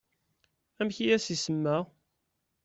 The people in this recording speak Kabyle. Amek i as-isema?